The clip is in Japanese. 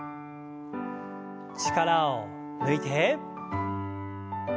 力を抜いて。